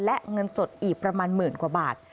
และเงินสดอีกประมาณหมื่นกว่าบาท